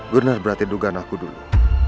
gunar berarti dugaan aku dulu